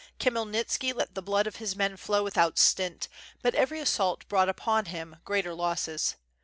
Khmyelnitski let the blood of his men flow without stint, but every assault brought upon him greater losses.